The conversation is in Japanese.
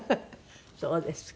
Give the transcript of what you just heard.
そうですか。